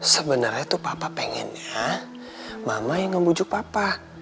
sebenarnya tuh papa pengennya mama yang ngembujuk papa